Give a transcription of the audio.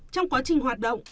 trong quá trình hoạt động